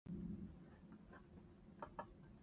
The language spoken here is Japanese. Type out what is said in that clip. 織田信長が今川義元を倒した。